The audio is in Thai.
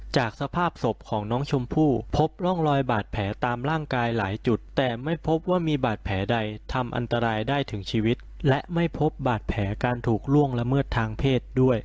จากสภาพศพของน้องชมพู่พบร่องรอยบาดแผลตามร่างกายหลายจุดแต่ไม่พบว่ามีบาดแผลใดทำอันตรายได้ถึงชีวิตและไม่พบบาดแผลการถูกล่วงละเมิดทางเพศด้วย